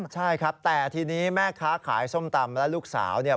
ใช่ครับแต่ทีนี้แม่ค้าขายส้มตำและลูกสาวเนี่ย